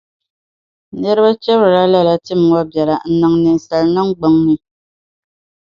Niriba chibirila lala tim ŋɔ biɛla n-niŋ ninsala niŋgbuŋ ni.